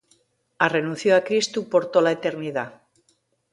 Arrenuncio a Cristu por tola eternidá.